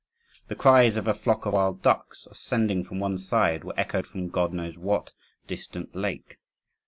The cries of a flock of wild ducks, ascending from one side, were echoed from God knows what distant lake.